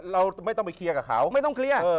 เราไม่ต้องไปเคลียร์กับเขาไม่ต้องเคลียร์